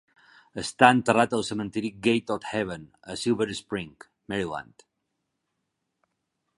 Està enterrat al cementiri Gate of Heaven a Silver Spring, Maryland.